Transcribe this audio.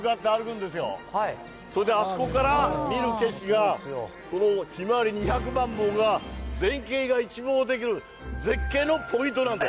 それであそこから見える景色が、このひまわり２００万本が全景が一望できる絶景のポイントなんです。